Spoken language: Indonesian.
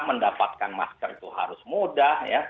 mendapatkan masker itu harus mudah